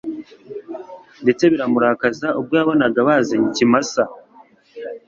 ndetse biramurakaza ubwo yabonaga bazanye ikimasa